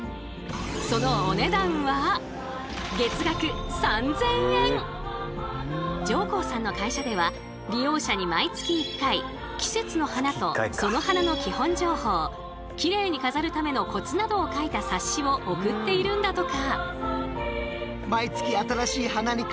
そのお値段は上甲さんの会社では利用者に毎月１回季節の花とその花の基本情報きれいに飾るためのコツなどを書いた冊子を送っているんだとか。